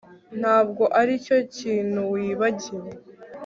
ntabwo aricyo kintu wibagiwe